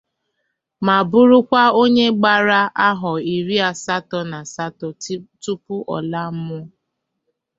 ma bụrụkwa onye gbara ahọ iri asatọ na asatọ tupu ọ laa mmụọ